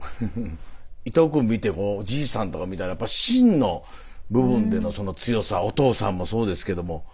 伊藤くん見てこうおじいさんとか見たらやっぱ芯の部分でのその強さお父さんもそうですけども。